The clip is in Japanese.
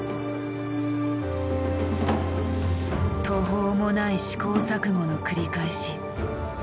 途方もない試行錯誤の繰り返し。